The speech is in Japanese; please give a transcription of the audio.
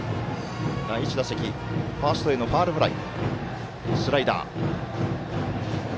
第１打席ファーストへのファウルフライ。